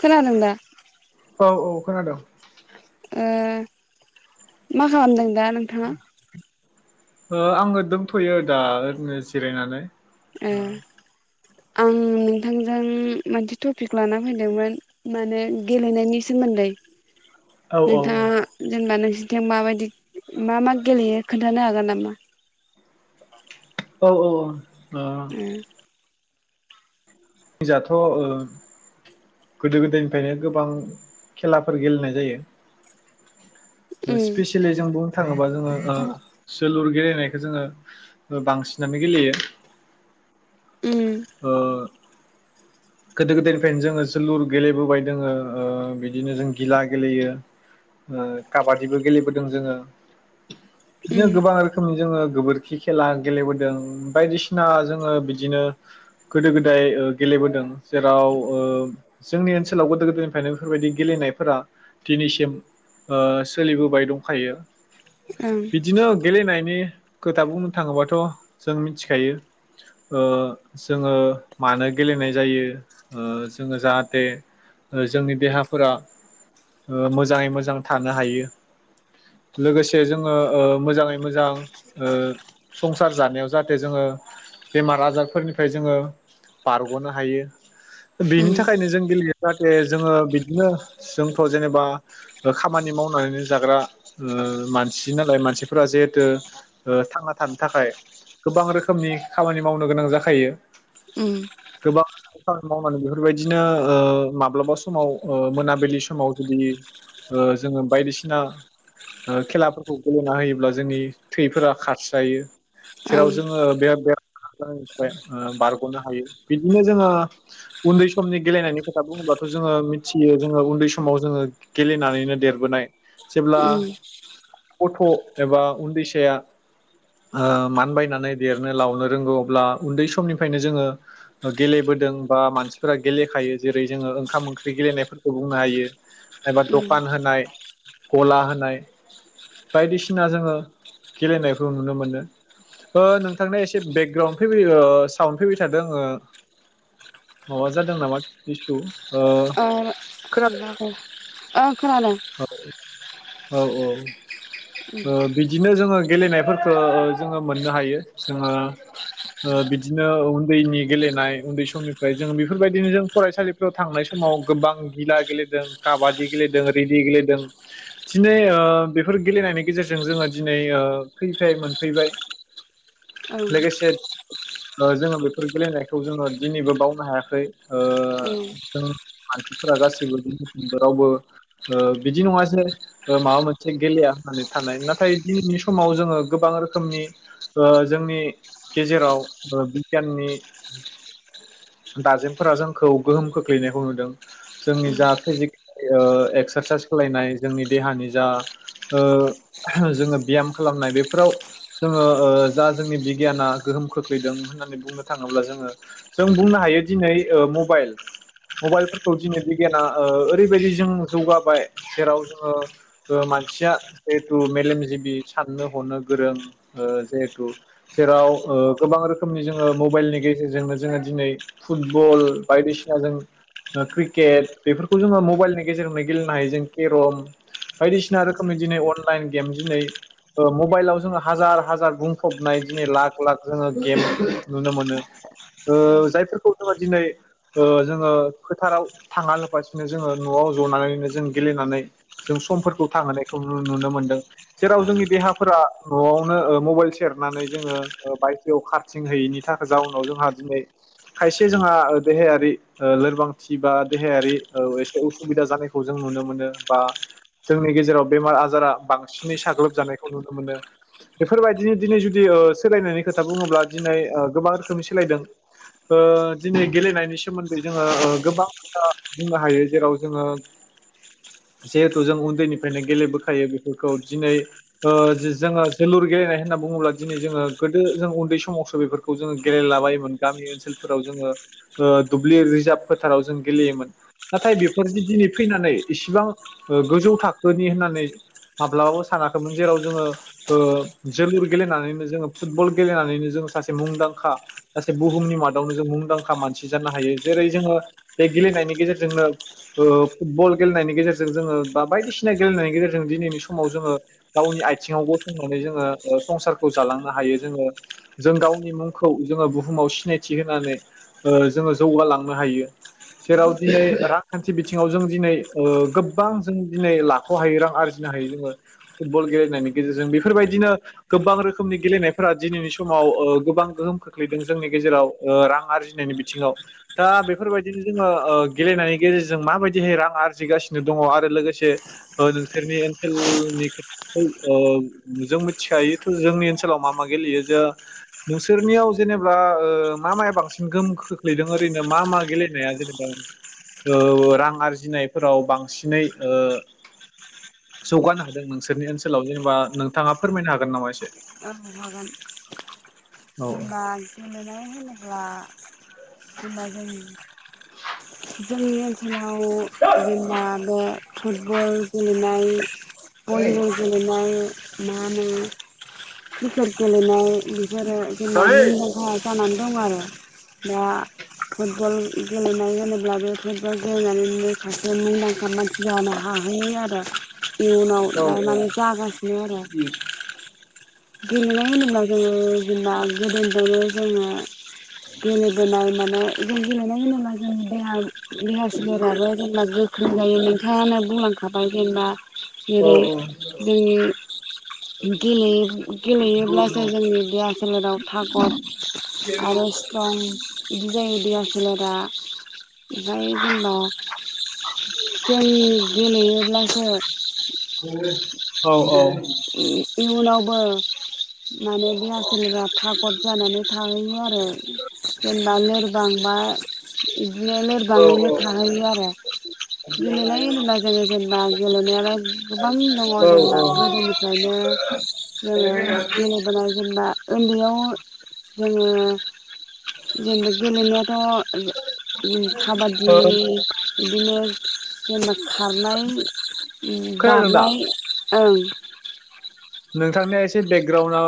खोनादोंदा? औ औ खोनादों। ओ मा खालामदों दा? नोंथाङा ओ आंयो दोनथयो दा ओरैनो जिरायनानै। ए आं नोंथांजों मोनसे टपिक लाना फैदोंमोन माने गेलेनायनि सोमोन्दै। औ औ नोंथाङा जेनेबा नोंसि थें माबायदि मा मा गेलेयो खोन्थानो हागोन नामा? औ औ औ। ओ जाथ ओ गोदो गोदायनिफायनो गोबां खेलाफोर गेलेनाय जायो। उम स्पेसिलि जों बुंनो थाङोबा ओ सोलुर गेलेनायखौ जोंङो बांसिनानो गेलेयो। ओ गोदो गोदायनिफ्रायनो जोङो सोलुर गेलेबोबाय दोङो ओ बिदिनो जों गिला गेलेयो ओ काबादिबो गेलेबोदों जोङो। उम बिदिनो ओं गोबां रोखोमनि जोङो गोबोरखि खेला गेलेबोदों बायदिसिना जोङो बिदिनो गोदो गोदाय ओ गेलेबोदों। जेराव ओ जोंनि ओनसोलाव गोदो गोदायनिफ्रायनो बेफोरबायदि गेलेनायफोरा दिनैसिम ओ सोलिबोबाय दंखायो। उम बिदिनो गेलेनायनि खोथा बुंनो थाङोबाथ' जों मिथिखायो ओ जोङो मानो गेलेनाय जायो। ओ जोङो जाहाथे जोंनि देहाफोरा ओ मोजाङै मोजां थानो हायो लोगोसे जोङो ओ मोजाङै मोजां ओ संसार जानायाव जाहाथे जोङो बेमार आजारफोरनिफ्राय जोङो बारगनो हायो। बेनि उम थाखायनो जों बिलगित जाहाथे जोंङो बिदिनो जोंथ जेनेबा खामानि मावनानै जाग्रा ओ मानसि नालाय मानसिफोरा जिहेथु ओ थांना थानो थाखाय गोबां रोखोमनि खामानि मावनो गोनां जाखायो। ओम बाख खामानि मावनानै बेफोरबायदिनो ओ माब्लाबा समाव ओ मोनाबिलि समाव जुदि ओ जोङो बायदिसिना ओ खेलाफोरखौ गेलेना होयोब्ला जोंनि थैफोरा खारसजायो जेराव ओं जोङो बे-बेरखानाय बारगनो हायो बिदिनो जोङो उन्दै समनि गेलेनायनि खोथा बुङोब्लाथ जोङो मिथियो जोङो उन्दै समाव जोङो गेलेनानैनो देरबोनाय। जेब्ला उम फथ एबा उन्दैसाया ओ मानबायनानै देरनो लावनो रोंगौ अब्ला उन्दै समनिफ्रायनो जोङो गेलेबोदों बा मानसिफोरा गेलेखायो जेरै जोङो ओंखाम ओंख्रि गेलेनायफोरखौ बुंनो हायो। एबा उम दखान होनाय गला होनाय बायदिसिना जोङो गेलेनायखौ नुनो मोनो हो नोंथांना एसे बेकग्राउन्ड फैबाय ओ साउन फैबाय थादों ओ माबा जादों नामा थिसु ओ खोनादों ओं खोनादों। औ औ ओं ओ बिदिनो जोङो गेलेनायफोरखौ जोङो मोननो हायो जोङो ओ बिदिनो उन्दैनि गेलेनाय उन्दै समनि फ्राय जों बेफोरबायदिनो जों फरायसालिफ्राव थांनाय समाव गोबां गिला गेलेदों काबादि गेलेदों रेदि गेलेदों थिनै ओ बेफोर गेलेनायनि गेजेरजों जोङो दिनै ओ फ्रिफाय मोनफैबाय। ओं लोगोसेत ओ जोङो बेफोर गेलेनायखौ जोङो दिनैबो बाव हायाखै ओ उम जों मानसिफोरा गासैबो बिसिमबो रावबो ओ बिदि नङा जे माबा मोनसे गेलेया होननानै थानाय नाथाय दिनैनि समाव जोङो गोबां रोखोमनि ओ जोंनि गेजेराव बिगियाननि दाजेमफोरा जोंखौ गोहोम खोख्लैनायखौ नुदों जोंनि ओं जा फिजिक ओ एक्सारसाइस खालायनाय जोंनि देहानि जा ओ जोङो ब्याम खालामनाय बेफोराव जोङो ओ जा जोंनि बिगियाना गोहोम खोख्लैदों होननानै बुंनो थाङोब्ला जोङो जों बुंनो ह हायो दिनै ओ मबाइल मबाइलफोरखौ दिनै बिगियाना ओ ओरैबायदि जों जौगाबाय जेराव जोङो मानसिया जिहेथु मेलेमजिबि साननो हनो गोरों ओ जिहेथु जेराव गोबां रोखोमनि जोङो मबाइलनि गेजेरजोंनो जोङो दिनै फुटबल बायदिसिना जों ओ क्रिकेट बेफोरखौ जोङो मबाइलनि गेजेरजों गेलेनो हायो जों केरम बायदिसिना रोखोमनि दिनै अनलाइन गेम दिनै ओ मबाइलाव जोङो हाजार हाजार बुंफबनाय दिनै लाख लाख जोङो गेम नुनो मोनो। ओ ओं जायफोरखौ फोरखौ दिनै ओ जोङो फोथाराव थाङा लाबासिनो जोङो न'आव जनानैनो जों गेलेनानै जों समफोरखौ थांहोनायखौ नुनो मोनदों जेराव ओं जोंनि देहाफोरा न'आवनो ओ मबाइल सेरनानै जोङो ओ बायदियाव खारथिंहयैनि थाखाय जाउनाव जोंहा दिनै खायसे जोंहा देहायारि ओ लोरबांथि बा देहायारि ओ एसे उसुबिदा जानायखौ जों नुनो मोनो बा जोंनि गेजेराव बेमार आजारा बांसिनै साग्लोबजानायखौ नुनो मोनो, बेफोरबायदिनो दिनै जुदि ओ सोलायनायनि खोथा बुङोब्ला दिनै ओ गोबां रोखोमनि सोलायदों। ओ दिनै गेलेनायनि सोमोन्दै जोङो ओ गोबां बाथ्रा बुंनो हायो जेराव जोङो जिहेथु जों उन्दैनिफ्रायनो गेलेबोखायो बेफोरखौ दिनै ओ जि जोङो जोलुर गेलेनाय होनना बुङोब्ला दिनै जोङो गोदो जों उन्दै समावसो बेफोरखौ जोङो गेलेलाबायोमोन गामि ओनसोल फोराव जोङो दुब्लि रिजार्भ फोथाराव जों गेलेयोमोन, नाथाय बेफोरजों दिनै फैनानै इसिबां ओ गोजौ थाखोनि होननानै माब्लाबाबो सानाखैमोन जेराव जोङो ओ जोलुर गेलेनानैनो जोङो फुटबल गेलेनानैनो जों सासे मुंदांखा सासे बुहुमनि माद गावनो जों मुंदांखा मानसि जानो हायो जेरै जोङो बे गेलेनायनि गेजेरजोंनो ओ फुटबल गेलेनायनि गेजेरजों जोङो बा बायदिसिना गेलेनायनि गेजेरजों दिनैनि समाव जोङो गावनि आथिङाव गसंनानै जोङो ओ संसारखौ जालांनो हायो जोङो जों गावनि मुंखौ जोङो बुहुमाव सिनायथि थिहोनानै ओ जोङो जौगालांनो हायो। जेराव दिनै रा खान्थि बिथिङाव जों दिनै ओ गोब्बां जों दिनै लाख' हायो रां आरजिनो हायो जोङो फुटबल गेलेनायनि गेजेरजों बेफोरबायदिनो गोबां रोखोमनि गेलेनायफोरा दिनैनि समाव ओ गोबां गोहोम खोख्लैदों जोंनि गेजेराव। ओ रां आरजिनायनि बिथिङाव दा बेफोरबायदिनो जोङो ओ गेलेनायनि गेजेरजों माबायदिहै रां आरजिगासिनो दङ आरो लोगोसे नोंसोरनि ओनसोलनि खोथाखौ ओ जों मिथिखायो थ' जोंनि ओनसोलाव मा मा गेलेयो जो- नोंसोरनियाव जेनेब्ला ओ मा माया बांसिन गोहोम खोख्लैदों ओरैनो मा मा गेलेनाया जेनेबा ओ रां आरजिनायफोराव बांसिनै ओ जौगानो हादों नोंसोरनि ओनसोलाव जेनेबा नोंथाङा फोरमायनो हागोन नामा एसे? ओं हागोन औ जेनबा गेलनाय होनो ब्ला जेनबा जों जोंनि खालाव जेनबा बे फुटबल गेलेनाय भलिबल गेलेनाय मा होनो क्रिकेट गेलेनाय बेफोरो जेनेबा मुंदांखा जानानै दं आरो दा फुटबल गेलेनायाव होनोब्ला बे गायनानै माखासे मुंदांखा मानसि जानो हाहैयो आरो इयुनाव दा माने जागासिनो आरो गेलेनाय होनोब्ला जोङो जेनेबा गोदोफ्रायनो जोङो। गेलेबोनाय जों गेलेनाय होनोब्ला जों देहा। देहा सोलेराबो जेब्ला गोख्रों जायो नोंथाङानो बुंलां ओंखाराबाय जेनबा औ जेरै जोंनि गेले गेलेयोब्लासो जोंनि देहा सोलेराव थागद आरो स्ट्रं बिदि जायो। देहा सोलेरा। ओमफ्राय जेनेबा जों गेलेयोब्लासो औ औ [unintelligible] इयुनावबो माने देहा सोलेराबा थागद जानानै थाहैयो आरो जेनेबा लोरबांबा बिदिनो औ लोरबाङैनो थाहैयो आरो गेलेनाय होनोब्ला जोङो जेनबा। [unintelligible] गोबां दङ जेनेबा औ ओ गोदोनि जोङो जोङो गेलेबोनान जोङो दा ओन्दैयाव जोङो जेनेबा गेलेनायाथ खाबादि बिदिनो जेनेबा खारनाय खोनादों दा बारनाय ओं। नोंथांनिया एसे बेकग्राउणडआ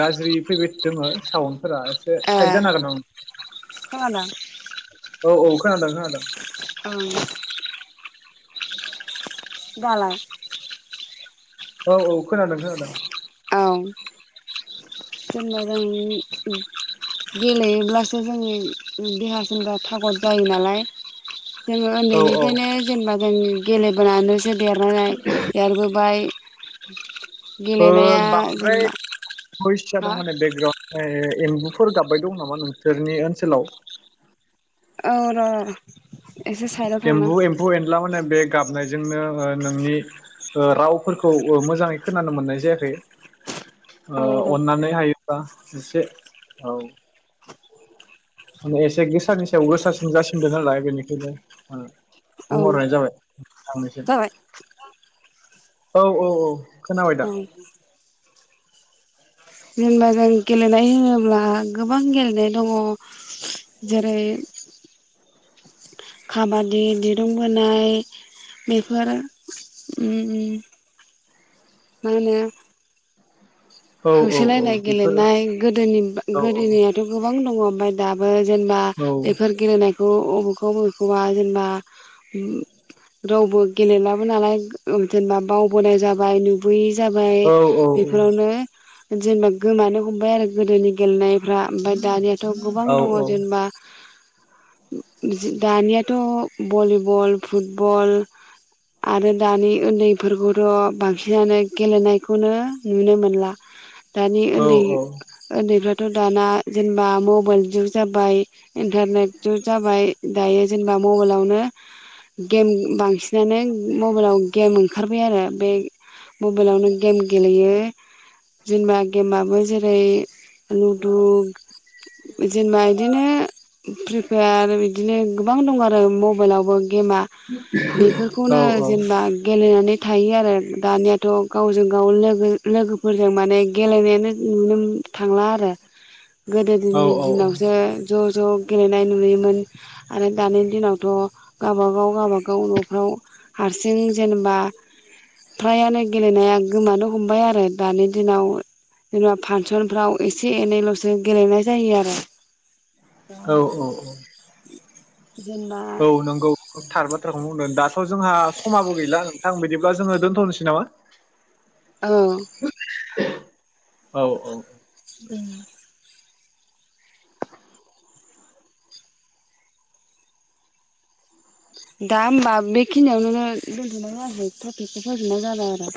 गाज्रि फैबाय दोङो साउन्ड फोरा एसे साइद जानो हागोन नामा खोनादों औ औ खोनादों खोनादों। ओं। दालाय औ औ खोनादों खोनादों औ जेनबा जों गेलेयोब्लासो जोंनि देहा सोलेरा थागद जायो नालाय जोङो औ औ उन्दैनिफ्रायनो जेनेबा जायो जों गेलेबोनानैसो देरनानै देरबोबाय क्रि गेलेन ओ बांद्राय भइस हा जादों माने बेकग्राउन्ड ए एम्बुफोर गाबबाय दं नामा नोंसोरनि ओनसोलाव औ र। एसे साइडआव थांना एम्बु एम्फौ एनला माने बे गाब नाय जोंनो ओ नोंनि रावफोरखौ मोजाङै खोनानो मोननाय जायाखै औ र' अन्नानै हायोबा एसे औ माने एसे गोसानि सायाव गोसासिन जासिनदों नालाय बेनिखायनो औ बुंहरनाय जाबाय हामबायसै जाबाय औ औ औ खोनाबाय औ दा जेनबा जों गेलेनाय होनोब्ला गोबां गेलेनाय दङ जेरै खाबादि दिरुं बोनाय बेफोर उय मा होनो औ औ औ होसोलायनाय बेफोर गेलेनाय गोदोनि औ गोदोनियाथ गोबां दङ बाय दाबो। जेनबा बेफोर गेलेनायखौ अबेखौ अबेखौबा जेनेबा रावबो गेलेलाबो नालाय जेनेबा बावबोनाय जाबाय नुबियि जाबाय औ बेफोरावनो जेनेबा गोमानो हमबाय आरो गोदोनि गेलेनायफ्रा ओमफ्राय दानिया थ गोबां औ दङ औ जेनेबा दानियाथ' भलिबल फुटबल आरो दानि उन्दैफोरखौथ' बांसिनानो गेलेनायखौनो नुनो मोनला दानि ओन्दै ओन्दैफ्रा थ दाना जेनबा मबाइल जुग जाबाय इन्टारनेट जुग जाबाय दायो जेनेबा मबाइलावनो गेम बांसिनानो मबाइलाव गेम ओंखार बेआनो बे मबाइलावनो गेम गेलेयो जेनबा गेमाबो जेरै लुदु [inaudible] जेनेबा इदिनो प्रिपायार इदिनो गोबां दं आरो मबाइलावबो। गेमा बेफोरखौनो जेनेबा गेलेनानै। थायो आरो दानियाथ गावजों गाव लोगो लोगोफोर जों माने गेलेनायानो नुनो थांला आरो। गोदोनि दिनावसो औ ज' ज' गेलेनाय नुयोमोन आरो दानि दिनावथ' गावबागाव गावबागाव न'फ्राव हारसिं जेनेबा फ्रायानो गेलेनाया गोमानो हमबाय आरो दानि दिनाव जेनेबा फांसनफ्राव एसे एनैल'सो गेलेनाय जायो आरो। दा औ औ औ जेनेबा औ नंगौ थार बा [unintelligible] जोंहा समाबो गैला आं बिदिब्ला जोङो दोनथनोसै नामा? औ औ औ ओम दा होमबा बे खिनियावनो बेखौ फोजोबनाय जाबाय आरो